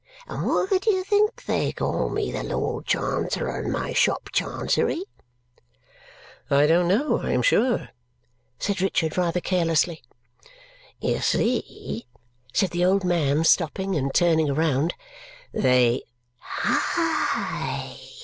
And why do you think they call me the Lord Chancellor and my shop Chancery?" "I don't know, I am sure!" said Richard rather carelessly. "You see," said the old man, stopping and turning round, "they Hi!